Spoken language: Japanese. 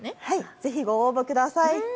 ぜひご応募ください。